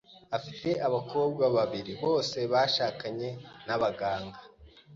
Afite abakobwa babiri, bombi bashakanye n'abaganga.